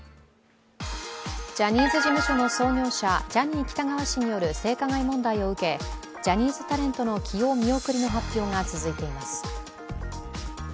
ジャニーズ事務所の創業者ジャニー喜多川氏による性加害問題を受けジャニーズタレントの起用見送りの発表が続いています。